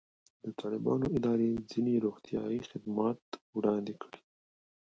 د طالبانو ادارې ځینې روغتیایي خدمات وړاندې کړي.